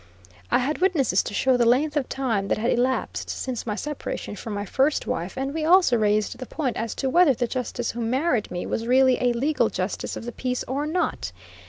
I lad witnesses to show the length of time that had elapsed since my separation from my first wife, and we also raised the point as to whether the justice who married me, was really a legal justice of the peace or not.